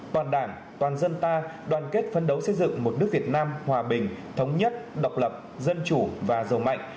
toàn đảng toàn dân ta đoàn kết phấn đấu xây dựng một nước việt nam hòa bình thống nhất độc lập dân chủ và giàu mạnh